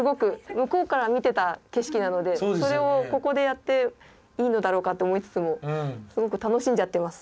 向こうから見てた景色なのでそれをここでやっていいのだろうかって思いつつもすごく楽しんじゃってます。